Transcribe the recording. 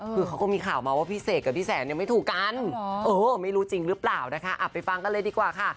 คือเขาก็มีข่าวมาว่าพี่เสกกับพี่แสนเนี่ยไม่ถูกกันเออไม่รู้จริงหรือเปล่านะคะไปฟังกันเลยดีกว่าค่ะ